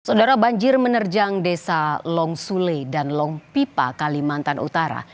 saudara banjir menerjang desa long sule dan long pipa kalimantan utara